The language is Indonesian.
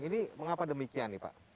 ini mengapa demikian nih pak